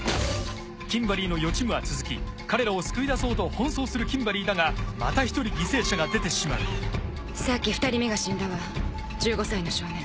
キンバリーの予知夢は続き彼らを救い出そうと奔走するキンバリーだがまた一人犠牲者が出てしまうさっき２人目が死んだわ１５歳の少年。